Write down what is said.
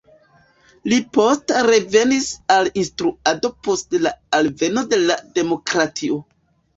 Li poste revenis al instruado post la alveno de la demokratio.